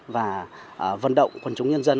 và vận động quần chúng nhân dân